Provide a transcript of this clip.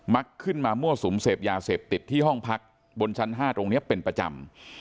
ขึ้นมามั่วสุมเสพยาเสพติดที่ห้องพักบนชั้น๕ตรงนี้เป็นประจำ